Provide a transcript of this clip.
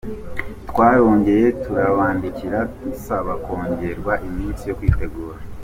Twarongeye turabandikira dusaba kongererwa iminsi yo kwitegura.